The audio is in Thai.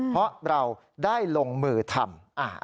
เพราะเราได้ลงมือทำ